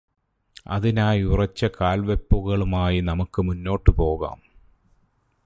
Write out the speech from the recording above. അതിനായി ഉറച്ച കാൽവയ്പുകളുമായി നമുക്ക് മുന്നോട്ടു പോകാം.